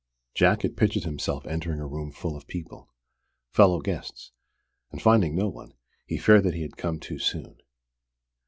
Jack had pictured himself entering a room full of people, fellow guests, and finding no one, he feared that he had come too soon.